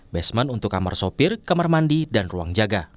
basement untuk kamar sopir kamar mandi dan ruang jaga